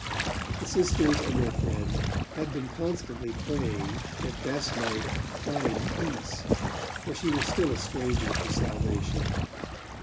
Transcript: The sisters and their friend had been constantly praying that Bess might 'find peace', for she was still a stranger to salvation.